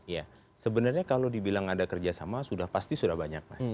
ya sebenarnya kalau dibilang ada kerjasama sudah pasti sudah banyak mas